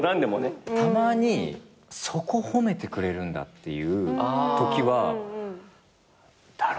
たまにそこ褒めてくれるんだっていうときはだろ？